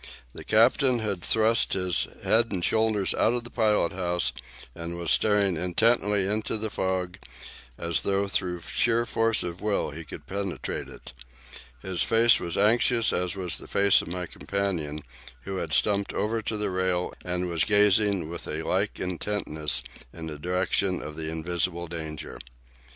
The captain had thrust his head and shoulders out of the pilot house, and was staring intently into the fog as though by sheer force of will he could penetrate it. His face was anxious, as was the face of my companion, who had stumped over to the rail and was gazing with a like intentness in the direction of the invisible danger.